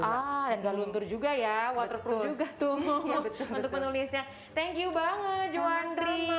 dan nggak luntur juga ya waterproof juga tuh untuk menulisnya thank you banget joandri